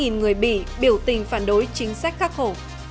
bốn mươi năm người bỉ biểu tình phản đối chính sách khắc khổ